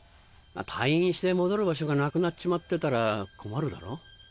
退院して戻る場所がなくなっちまってたら困るだろ。